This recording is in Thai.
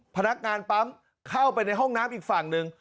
พนักงานปั๊มเข้าไปในห้องน้ำอีกฝั่งหนึ่ง